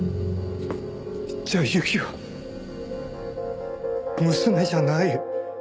じゃあ由季は娘じゃない？